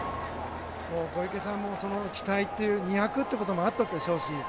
小池さん、２００ということもあったでしょうし